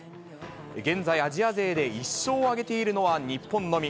現在、アジア勢で１勝を挙げているのは、日本のみ。